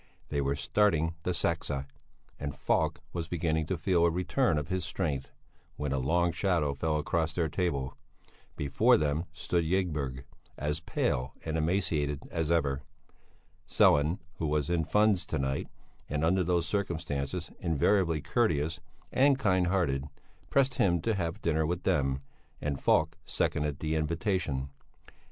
They were starting the "sexa," and Falk was beginning to feel a return of his strength, when a long shadow fell across their table. Before them stood Ygberg, as pale and emaciated as ever. Sellén, who was in funds to night, and under those circumstances invariably courteous and kind hearted, pressed him to have dinner with them, and Falk seconded the invitation.